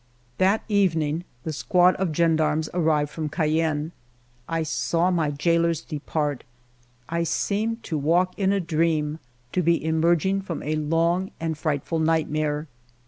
That evening the squad of gendarmes arrived from Cayenne. I saw my jailers depart. I seemed to walk in a dream, to be emerging from a long and frightful nightmare.